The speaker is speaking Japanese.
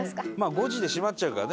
５時で閉まっちゃうからね